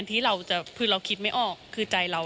อ่าเดี๋ยวฟองดูนะครับไม่เคยพูดนะครับ